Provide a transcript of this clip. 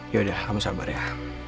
yaudah kamu sabar ya